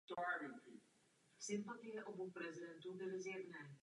Zelené řasy se rozmnožují pohlavně i nepohlavně.